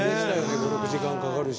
５６時間かかるし。